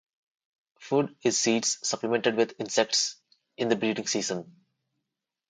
Food is seeds supplemented with insects in the breeding season.